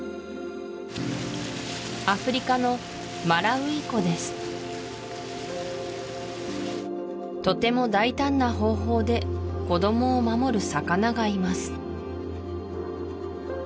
アフリカのマラウイ湖ですとても大胆な方法で子どもを守る魚がいます